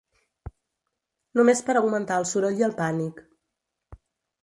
Només per augmentar el soroll i el pànic